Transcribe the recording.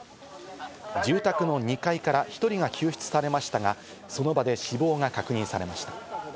住宅の２階から１人が救出されましたが、その場で死亡が確認されました。